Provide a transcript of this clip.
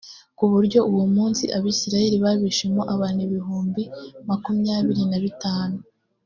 ku buryo uwo munsi abisirayeli babishemo abantu ibihumbi makumyabiri na bitanu